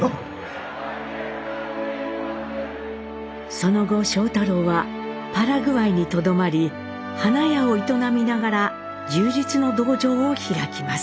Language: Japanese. その後庄太郎はパラグアイにとどまり花屋を営みながら柔術の道場を開きます。